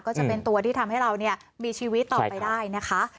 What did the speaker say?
ก็จะเป็นตัวที่ทำให้เรามีชีวิตต่อไปได้นะคะ